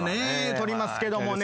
取りますけどもね。